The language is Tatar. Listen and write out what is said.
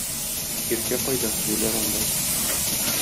Иркә кайда — юләр анда.